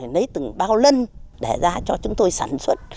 lấy từng bao lân để ra cho chúng tôi sản xuất